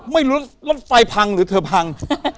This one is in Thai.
ไม่รู้รถไฟพังหรือเธอพัง